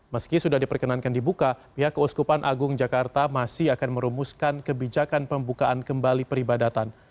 meski sudah diperkenankan dibuka pihak keuskupan agung jakarta masih akan merumuskan kebijakan pembukaan kembali peribadatan